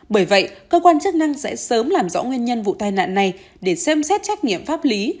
bởi vậy cơ quan chức năng sẽ sớm làm rõ nguyên nhân vụ tai nạn này để xem xét trách nhiệm pháp lý